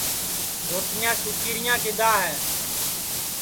روٹِیاں سُوکی رِیاں کِدؔا ہے